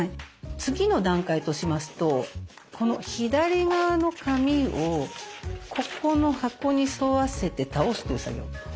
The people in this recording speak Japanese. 次の段階としますとこの左側の紙をここの箱に沿わせて倒すという作業。